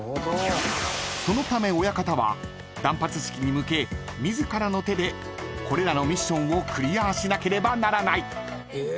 ［そのため親方は断髪式に向け自らの手でこれらのミッションをクリアしなければならない］